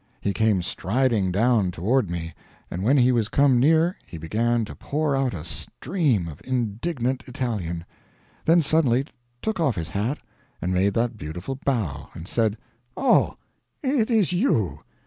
He came striding down toward me, and when he was come near he began to pour out a stream of indignant Italian; then suddenly took off his hat and made that beautiful bow and said: "Oh, it is you!